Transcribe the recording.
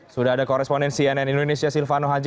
sudah ada koresponen cnn indonesia silvano haji